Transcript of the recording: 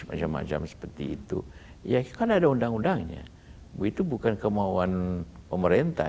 macam macam seperti itu ya kan ada undang undangnya itu bukan kemauan pemerintah